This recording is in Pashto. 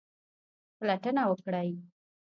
پلټنه وکړئ